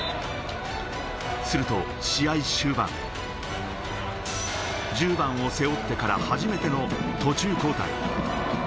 すると試合終盤、１０番を背負ってから初めての途中交代。